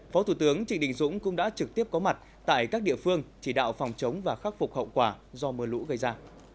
phó thủ tướng trịnh đình dũng cũng đã trực tiếp có mặt tại các địa phương chỉ đạo phòng chống và khắc phục hậu quả do mưa lũ gây ra